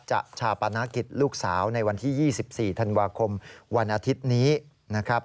ชาปนกิจลูกสาวในวันที่๒๔ธันวาคมวันอาทิตย์นี้นะครับ